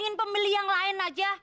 ngalin pembeli yang lain aja